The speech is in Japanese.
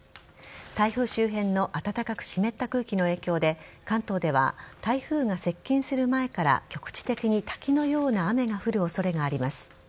台風周辺の暖かく湿った空気の影響で関東では台風が接近する前から局地的に滝のような雨が降る恐れがあります。